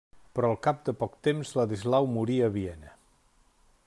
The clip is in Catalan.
Però al cap de poc de temps Ladislau morí a Viena.